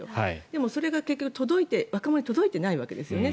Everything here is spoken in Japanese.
でも、それが結局、若者に届いていないわけですよね。